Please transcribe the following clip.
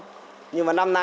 đẻ ra là lỗ